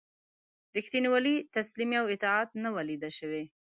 ریښتینولي، تسلیمي او اطاعت نه وه لیده شوي.